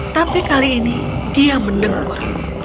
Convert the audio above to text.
tapi kali ini dia mendengkur